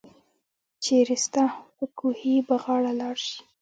چيري ستاه به دکوهي په غاړه لار شي